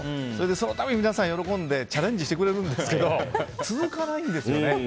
そのたびに皆さん喜んでチャレンジしてくれるんですけど続かないんですよね。